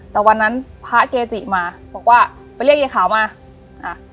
แต่วันนั้นพระเกจิมาบอกว่าไปเรียกยายขาวมาอ่า